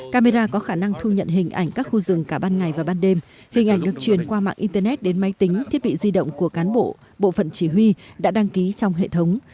camera có khả năng thu nhận hình ảnh các khu rừng cả ban ngày và ban đêm hình ảnh được truyền qua mạng internet đến máy tính thiết bị di động của cán bộ bộ phận chỉ huy đã đăng ký trong hệ thống